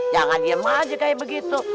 jangan diem aja kayak begitu